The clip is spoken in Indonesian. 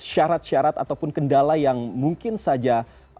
syarat syarat ataupun kendala yang mungkin saja